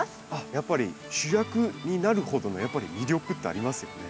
やっぱり主役になるほどのやっぱり魅力ってありますよね。